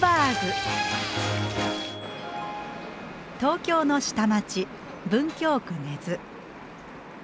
東京の下町文京区根津。